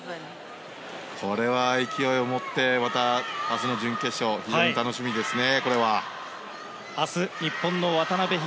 これは勢いを持ってまた明日の準決勝非常に楽しみですね。